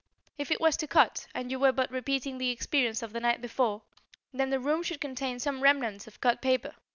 If it was to cut, and you were but repeating the experience of the night before, then the room should contain some remnants of cut paper.